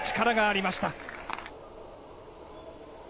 力がありました。